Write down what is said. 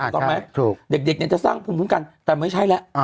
ถูกต้องไหมเด็กเนี่ยจะสร้างภูมิคุ้มกันแต่ไม่ใช่แล้ว